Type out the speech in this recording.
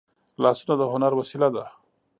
لاسونه د هنر وسیله ده